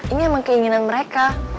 ini emang keinginan mereka